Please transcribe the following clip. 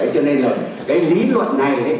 cho nên là cái lý luận này